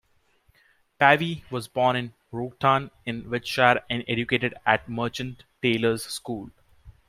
Pavy was born in Wroughton in Wiltshire and educated at Merchant Taylors' School.